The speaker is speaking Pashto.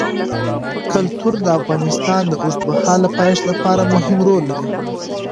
کلتور د افغانستان د اوږدمهاله پایښت لپاره مهم رول لري.